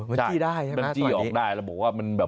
เออมันจี้ได้ใช่ไหมนะตอนนี้